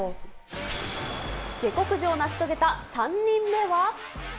下克上を成し遂げた３人目は？